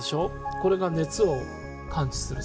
これが熱を感知するセンサー。